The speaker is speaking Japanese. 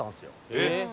えっ！